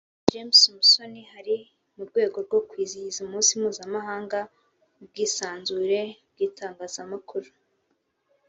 James Musoni hari mu rwego rwo kwizihiza umunsi mpuzamahanga w’ubwisanzure bw’itangazamakuru